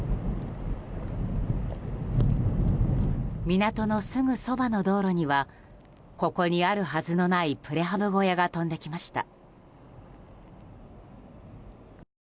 港のすぐそばの道路にはここにあるはずのないプレハブ小屋が飛んできました。